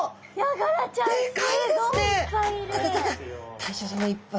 大将さまいっぱい。